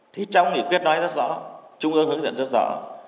thì trong nghị quyết nói rất rõ trung ương hướng dẫn rất rõ